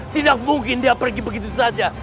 tidak mungkin dia pergi begitu saja